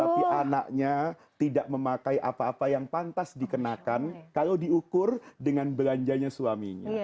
tapi anaknya tidak memakai apa apa yang pantas dikenakan kalau diukur dengan belanjanya suaminya